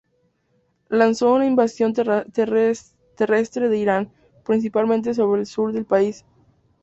Lanzó una invasión terrestre de Irán, principalmente sobre el sur del país.